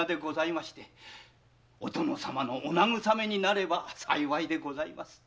お殿様のお慰めになれば幸いでございます。